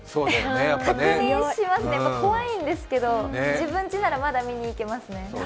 確認しますね、やっぱり怖いんですけど、自分ちなら、まだ見に行けますね。